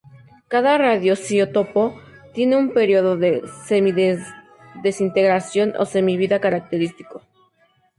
Cada radioisótopo tiene un periodo de semidesintegración o semivida característico.